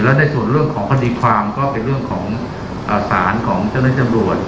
และในส่วนเรื่องของคดีความก็เป็นเรื่องของสารของเจ้าหน้าที่ตำรวจ